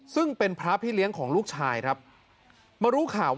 ซึ่งเป็นพระพี่เลี้ยงของลูกชายครับมารู้ข่าวว่า